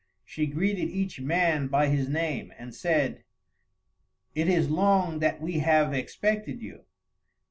She greeted each man by his name, and said, "It is long that we have expected you."